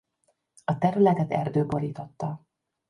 A területet erdő borította.